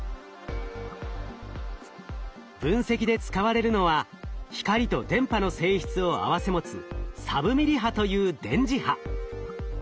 分析で使われるのは光と電波の性質を併せ持つサブミリ波という電磁波。